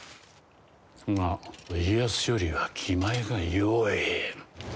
が家康よりは気前がよい。